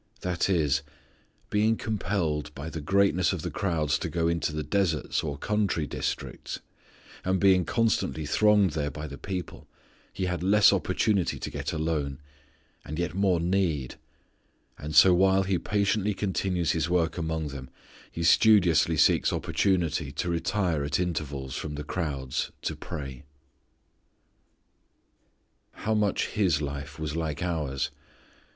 That is, being compelled by the greatness of the crowds to go into the deserts or country, districts, and being constantly thronged there by the people, He had less opportunity to get alone, and yet more need, and so while He patiently continues His work among them He studiously seeks opportunity to retire at intervals from the crowds to pray. How much His life was like ours.